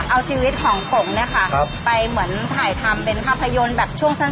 เอาชีวิตของผมไปเหมือนถ่ายทำเป็นภาพยนธ์แบบช่วงสั้น